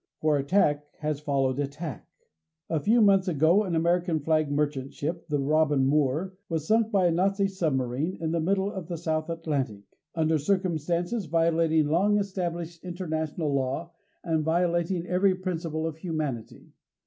For attack has followed attack. A few months ago an American flag merchant ship, the ROBIN MOOR, was sunk by a Nazi submarine in the middle of the South Atlantic, under circumstances violating long established international law and violating every principle of humanity.